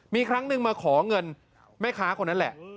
มีครั้งหนึ่งมาขอเงินแม่ค้าคนนั้นแหละ